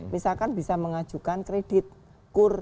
misalkan bisa mengajukan kredit kur